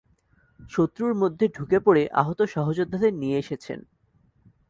শত্রুর মধ্যে ঢুকে পড়ে আহত সহযোদ্ধাদের নিয়ে এসেছেন।